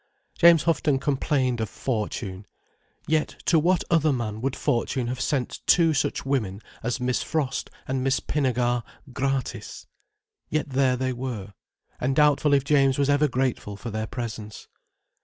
James Houghton complained of Fortune, yet to what other man would Fortune have sent two such women as Miss Frost and Miss Pinnegar, gratis? Yet there they were. And doubtful if James was ever grateful for their presence.